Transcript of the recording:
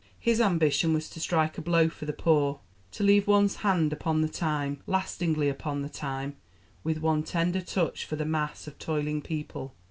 His ambition was to strike a blow for the poor, "to leave one's hand upon the time, lastingly upon the time, with one tender touch for the mass of toiling people."